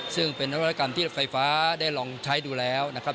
ซึ่งเป็นนวัตกรรมที่รถไฟฟ้าได้ลองใช้ดูแล้วนะครับ